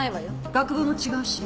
学部も違うし。